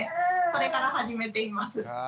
それから始めています。